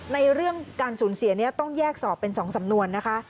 ในเรื่องการสูญเสียนี้ต้องแยกสอบเป็น๒สำนวนนะคะ